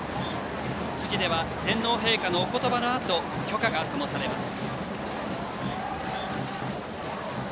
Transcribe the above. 式では天皇陛下のおことばのあと炬火がともされます。